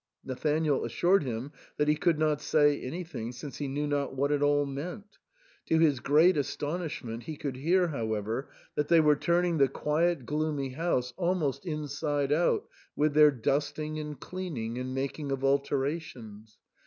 Nathanael assured him that he could not say anything, since he knew not what it all meant ; to his great astonishment, he could hear, however, that they were turning the quiet gloomy house almost inside out with their dusting and cleaning and making of alterations.